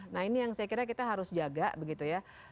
nah ini yang saya kira kita harus jaga begitu ya